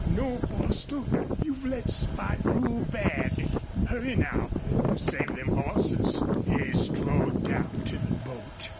... No, Bostil, you've let spite rule bad. Hurry now and save them hosses!" He strode down to the boat.